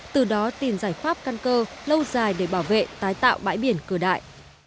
từ đó tìm giải pháp căn cơ lâu dài để bảo vệ tái tạo bãi biển cửa đại